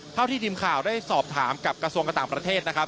เท่าที่ทีมข่าวได้สอบถามกับกระทรวงการต่างประเทศนะครับ